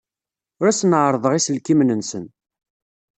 Ur asen-ɛerrḍeɣ iselkimen-nsen.